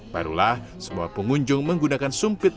barulah semua pengunjung menggunakan sumpit